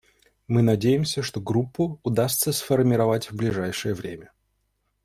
Мы надеемся, что Группу удастся сформировать в ближайшее время.